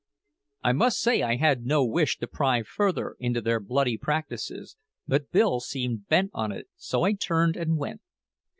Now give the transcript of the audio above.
I must say I had no wish to pry further into their bloody practices; but Bill seemed bent on it, so I turned and went.